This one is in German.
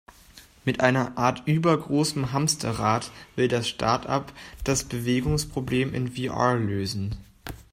Mit einer Art übergroßem Hamsterrad, will das Startup das Bewegungsproblem in VR lösen.